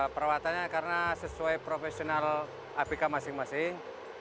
perawatannya karena sesuai profesional abk masing masing